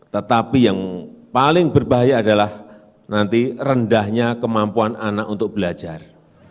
tetapi yang paling berbahaya adalah nanti rendahnya kemampuan anak untuk belajar